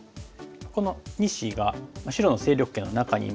この２子が白の勢力圏の中にいまして。